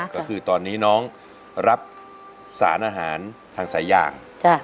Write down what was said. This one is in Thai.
ก็คือตอนนี้น้องรับสารอาหารทางสายยาง